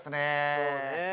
そうね。